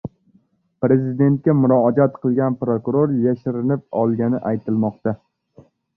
Prezidentga murojaat qilgan prokuror yashirinib olgani aytilmoqda